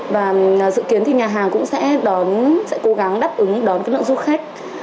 và dự kiến thì nhà hàng cũng sẽ cố gắng đáp ứng đón lượng du khách